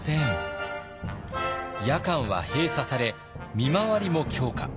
夜間は閉鎖され見回りも強化。